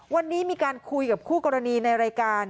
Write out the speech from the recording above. วันนี้มีการคุยกับคู่กรณีในรายการ